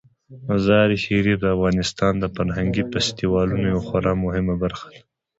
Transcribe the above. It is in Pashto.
مزارشریف د افغانستان د فرهنګي فستیوالونو یوه خورا مهمه برخه ده.